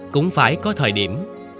cũng phải có thời điểm